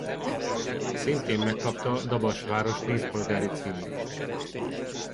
Szintén megkapta Dabas város díszpolgári címét.